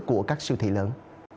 của các siêu thị lớn